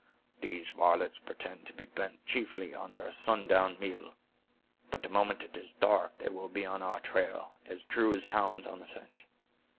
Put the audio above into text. These varlets pretend to be bent chiefly on their sun down meal, but the moment it is dark they will be on our trail, as true as hounds on the scent.